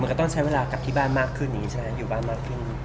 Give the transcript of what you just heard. ก็ต้องใช้เวลากลับที่บ้านมากขึ้นอย่างนี้ใช่ไหมอยู่บ้านมากขึ้น